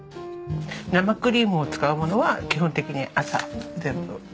生クリームを使うものは基本的に朝全部。